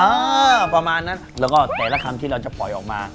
อ่าประมาณนั้นแล้วก็แต่ละคำที่เราจะปล่อยออกมา